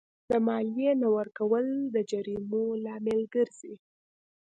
د مالیې نه ورکول د جریمو لامل ګرځي.